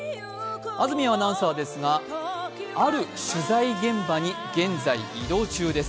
安住アナウンサーですがある取材現場に現在、移動中です。